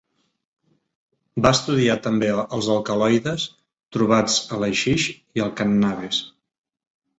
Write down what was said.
Va estudiar també els alcaloides trobats a l'haixix i al cànnabis.